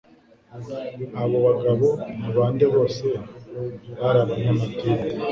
abo bagabo ni bande Bose bari abanyamadini